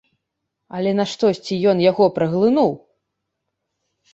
Але наштосьці ён яго праглынуў!